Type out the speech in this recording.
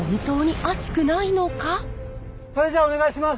それじゃあお願いします！